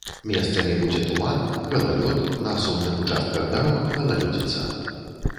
Месцамі будзе туман, галалёд, на асобных участках дарог галалёдзіца.